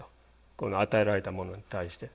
この与えられたものに対して。